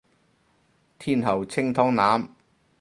天后清湯腩